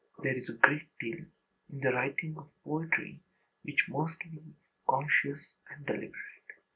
There is a great deal, in the writing of poetry, which must be conscious and deliberate.